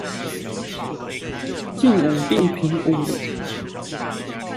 晉武帝平吳